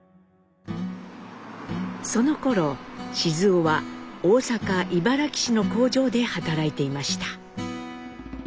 そのころ雄は大阪茨木市の工場で働いていました。